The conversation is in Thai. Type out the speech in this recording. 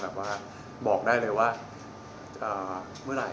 เมื่อการพิษก่อนมีอีกขวางเท่านั้นไหม